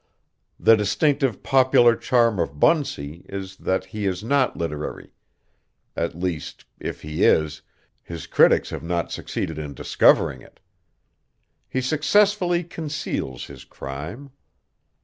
The distinctive popular charm of Bunsey is that he is not literary at least, if he is, his critics have not succeeded in discovering it; he successfully conceals his crime.